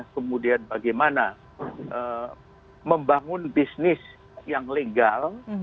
kemudian bagaimana membangun bisnis yang legal